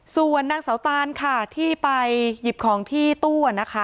ส่วนนางเสาตานค่ะที่ไปหยิบของที่ตู้นะคะ